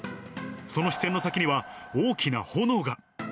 その視線の先には、大きな炎が。